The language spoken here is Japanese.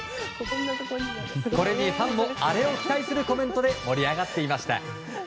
これにファンもアレを期待するコメントで盛り上がっていました。